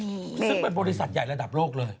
ซึ่งเป็นบริษัทใหญ่ระดับโลกเลย